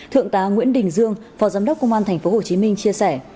thượng tá nguyễn đình dương phó giám đốc công an tp hcm chia sẻ